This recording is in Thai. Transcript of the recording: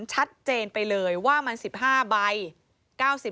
ชัดเจนไปเลยว่ามัน๑๕ใบ